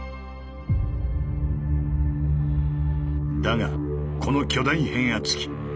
だがこの巨大変圧器。